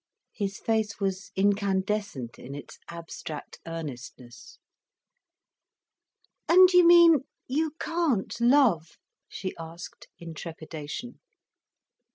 His face was incandescent in its abstract earnestness. "And you mean you can't love?" she asked, in trepidation.